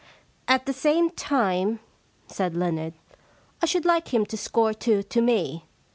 * At the same time,' said Leonard, * I should like him to score two to me.